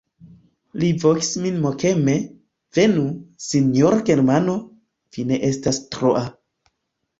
Li vokis min mokeme: "Venu, sinjoro Germano, vi ne estas troa."